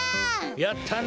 やったな！